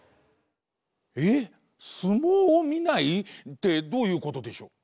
えっ相撲をみない？ってどういうことでしょう？